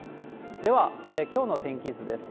では、きょうの天気図です。